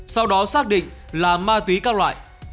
sau đó xác định là ma túy các loại